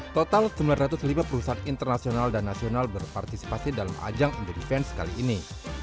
total sembilan ratus lima perusahaan internasional dan nasional berpartisipasi dalam ajang indo defense kali ini